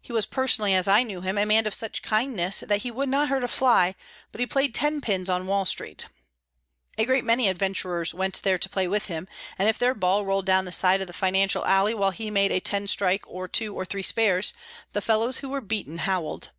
He was personally, as I knew him, a man of such kindness that he would not hurt a fly, but he played ten pins on Wall Street. A great many adventurers went there to play with him, and if their ball rolled down the side of the financial alley while he made a ten strike or two or three spares, the fellows who were beaten howled.